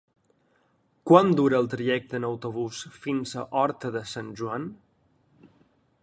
Quant dura el trajecte en autobús fins a Horta de Sant Joan?